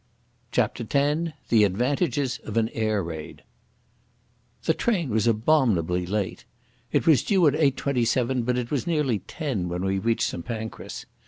CHAPTER X The Advantages of an Air Raid The train was abominably late. It was due at eight twenty seven, but it was nearly ten when we reached St Pancras.